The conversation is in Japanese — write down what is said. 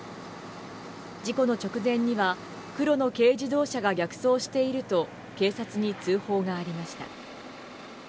事故の直前には黒の軽自動車が逆走していると警察に通報がありました。